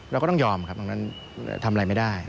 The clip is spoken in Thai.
เราก็ต้องยอมครับตรงนั้นทำอะไรไม่ได้